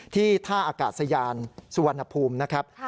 ท่าอากาศยานสุวรรณภูมินะครับ